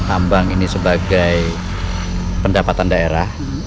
ambang ini sebagai pendapatan daerah